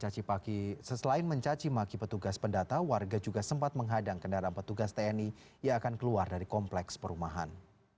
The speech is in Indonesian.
selain mencacimaki petugas pendata warga juga sempat menghadang kendaraan petugas tni yang akan keluar dari kompleks perumahan